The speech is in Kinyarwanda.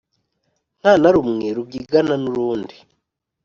Nta na rumwe rubyigana n’urundi,